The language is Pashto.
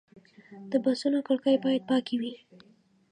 د بسونو کړکۍ باید پاکې وي.